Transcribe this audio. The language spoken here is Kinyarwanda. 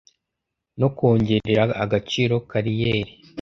No kongerera agaciro kariyeri